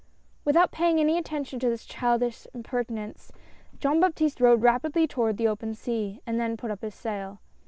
Without paying any attention to this childish imper tinence, Jean Baptiste rowed rapidly toward the open sea and then put up his sail.